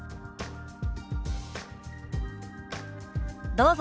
どうぞ。